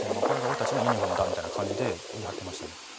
「これが俺たちのユニホームだ」みたいな感じで言い張ってましたね。